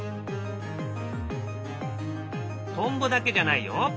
トンボだけじゃないよ。